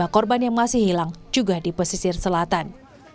lima korban yang masih hilang juga di pesisir selatan